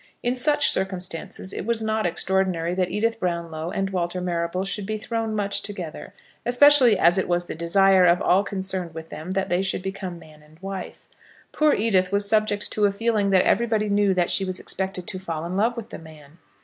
In such circumstances it was not extraordinary that Edith Brownlow and Walter Marrable should be thrown much together, especially as it was the desire of all concerned with them that they should become man and wife. Poor Edith was subject to a feeling that everybody knew that she was expected to fall in love with the man.